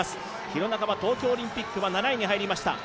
廣中は東京オリンピックは７位に入りました。